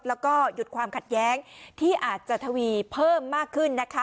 แล้วก็หยุดความขัดแย้งที่อาจจะทวีเพิ่มมากขึ้นนะคะ